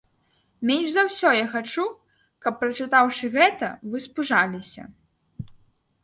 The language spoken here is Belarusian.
Менш за ўсё я хачу, каб прачытаўшы гэта, вы спужаліся.